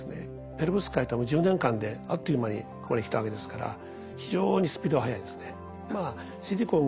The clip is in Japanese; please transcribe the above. ペロブスカイトはもう１０年間であっという間にここに来たわけですから非常にスピードは速いですね。